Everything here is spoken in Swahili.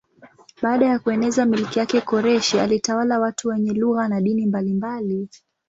Baada ya kueneza milki yake Koreshi alitawala watu wenye lugha na dini mbalimbali.